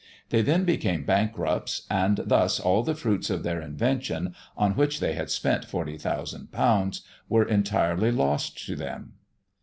They then became bankrupts, and thus all the fruits of their invention, on which they had spent 40,000_l._, were entirely lost to them.